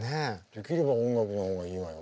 できれば音楽の方がいいわよ。